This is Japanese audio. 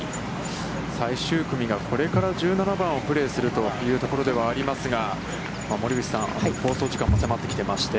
最終組がこれから、１７番をプレーするというところではありますが、森口さん、放送時間も少なくなってきてまして。